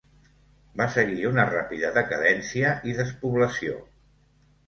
Va seguir una ràpida decadència i despoblació.